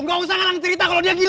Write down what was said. gak usah ngalang cerita kalau dia gila